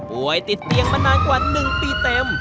ป่วยติดเตียงมานานกว่า๑ปีเต็ม